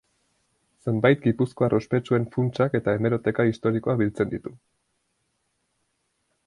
Zenbait gipuzkoar ospetsuen funtsak eta hemeroteka historikoa biltzen ditu.